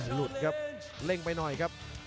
หลุดครับเร่งไปหน่อยครับ